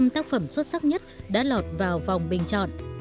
một mươi năm tác phẩm xuất sắc nhất đã lọt vào vòng bình chọn